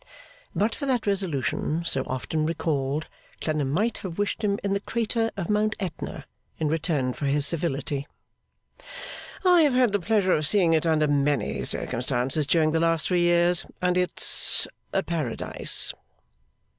But for that resolution so often recalled, Clennam might have wished him in the crater of Mount Etna, in return for this civility. 'I have had the pleasure of seeing it under many circumstances during the last three years, and it's a Paradise.